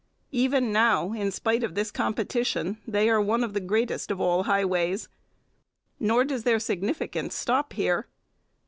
Even now, in spite of this competition, they are one of the greatest of all highways. Nor does their significance stop here.